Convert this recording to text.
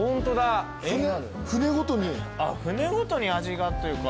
船ごとに味がというか。